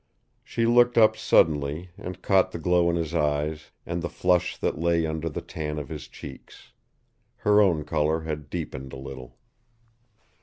She looked up suddenly and caught the glow in his eyes and the flush that lay under the tan of his cheeks. Her own color had deepened a little.